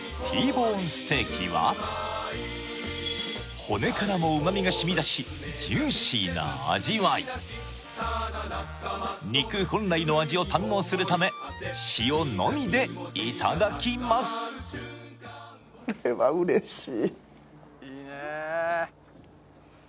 ボーンステーキは骨からも旨味がしみだしジューシーな味わい肉本来の味を堪能するため塩のみでいただきますこれは嬉しいいいね